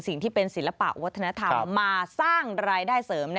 สิ่งที่เป็นศิลปะวัฒนธรรมมาสร้างรายได้เสริม